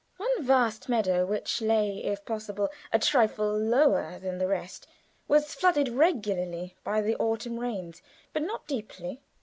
One vast meadow which lay, if possible, a trifle lower than the rest, was flooded regularly by the autumn rains, but not deeply.